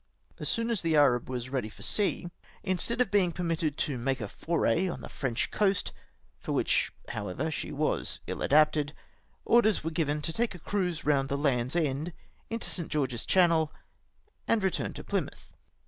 As soon as the Arab was ready for sea, instead of being permitted to make a foray on the French coast — for which, however, she was ill adapted — orders were given to take a cruise round the Land's End, into St. George's Channel, and return to Plymouth.